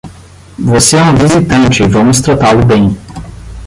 Você é um visitante e vamos tratá-lo bem.